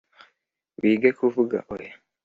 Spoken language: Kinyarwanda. wige kuvuga oya